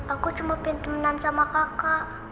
aku cuma pingin temenan sama kakak